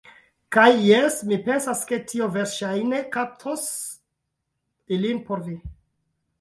Kaj... jes, mi pensas ke tio verŝajne kaptos ilin por vi.